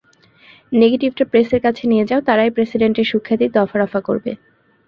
নেগেটিভটা প্রেসের কাছে নিয়ে যাও, তারাই প্রেসিডেন্টের সুখ্যাতির দফারফা করবে!